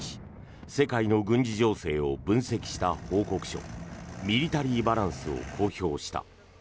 世界の軍事情勢を分析した報告書「ミリタリーバランス」を公表した。